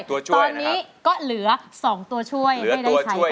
ตอนนี้ก็เหลือ๒ตัวช่วย